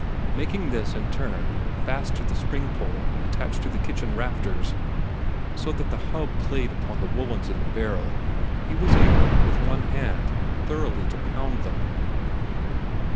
Making this, in turn, fast to the spring pole attached to the kitchen rafters, so that the hub played upon the woollens in the barrel, he was able, with one hand, thoroughly to pound them.